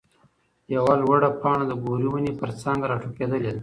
يوه لوړه پاڼه د ګورې ونې پر څانګه راټوکېدلې ده.